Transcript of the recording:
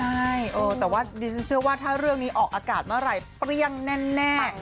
ใช่แต่ว่าดิฉันเชื่อว่าถ้าเรื่องนี้ออกอากาศเมื่อไหร่เปรี้ยงแน่